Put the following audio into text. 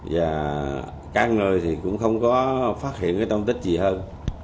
và các người thì cũng không có phát hiện cái tôn tích gì hơn